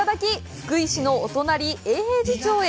福井市のお隣、永平寺町へ！